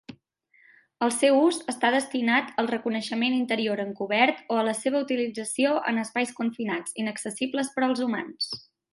El seu ús està destinat al reconeixement interior encobert o a la seva utilització en espais confinats inaccessibles per als humans.